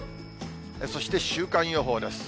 そして、週間予報です。